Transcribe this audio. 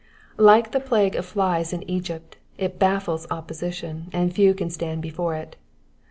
Like the plague of flies in Egypt, it baflEles opjK^aition, and few can stand before it.